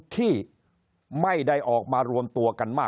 คนในวงการสื่อ๓๐องค์กร